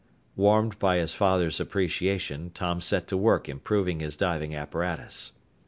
Warmed by his father's appreciation, Tom set to work improving his diving apparatus.